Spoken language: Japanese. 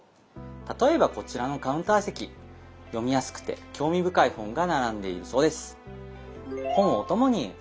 例えばこちらのカウンター席読みやすくて興味深い本が並んでいるそうです。